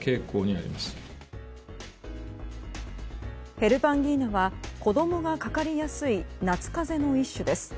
ヘルパンギーナは子供がかかりやすい夏風邪の一種です。